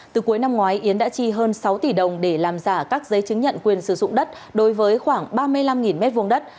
từ cuối năm ngoái yến đã chi hơn sáu tỷ đồng để làm giả các giấy chứng nhận quyền sử dụng đất đối với khoảng ba mươi năm m hai đất